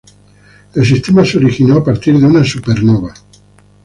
El sistema se originó a partir de una supernova.